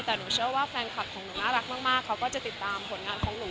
แต่หนูเชื่อว่าแฟนคลับของหนูน่ารักมากเขาก็จะติดตามผลงานของหนู